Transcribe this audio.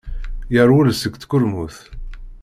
Yerwel seg tkurmut.